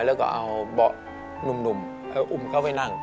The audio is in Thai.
แล้วก็เอาเบาะหนุ่มไปอุ้มเขาไปนั่ง